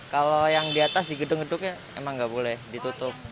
kalau yang di atas di gedung gedung ya emang nggak boleh ditutup